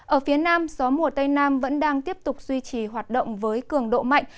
ở phía nam gió mùa tây nam vẫn đang tiếp tục duy trì hoạt động với cường độ mạnh